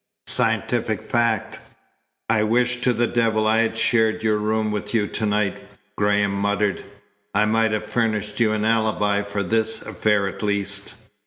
"Scientific fact." "I wish to the devil I had shared your room with you to night," Graham muttered. "I might have furnished you an alibi for this affair at least."